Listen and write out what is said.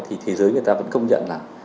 thì thế giới người ta vẫn công nhận là